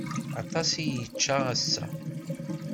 Aṭas i yečča ass-a.